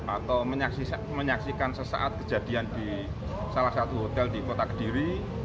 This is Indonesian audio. atau menyaksikan sesaat kejadian di salah satu hotel di kota kediri